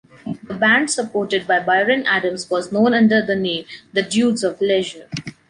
The band supported by Bryan Adams was known under the name “The Dudes of Leisure”.